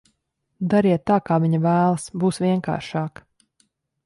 Dariet tā, kā viņa vēlas, būs vienkāršāk.